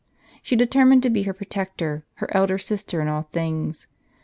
She determined to be her protector, her elder sister in all things.